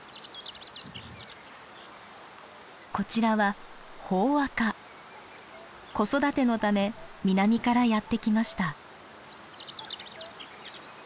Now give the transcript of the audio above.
こちらは子育てのため南からやって来ました。